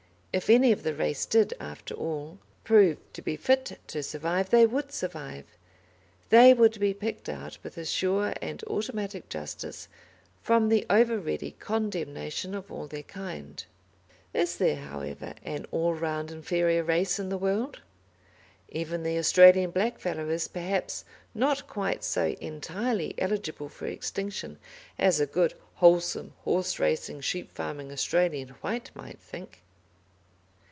If any of the race did, after all, prove to be fit to survive, they would survive they would be picked out with a sure and automatic justice from the over ready condemnation of all their kind. Is there, however, an all round inferior race in the world? Even the Australian black fellow is, perhaps, not quite so entirely eligible for extinction as a good, wholesome, horse racing, sheep farming Australian white may think.